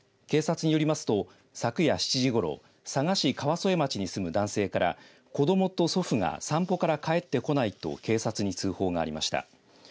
警察によりますと昨夜７時ごろ佐賀市川副町に住む男性から子どもと祖父が散歩から帰ってこないと警察に通報がありました。